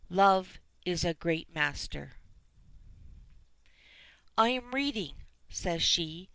"Love is a great master." "I am reading," says she.